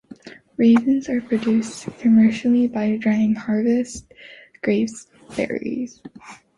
Raisins are produced commercially by drying harvested grape berries.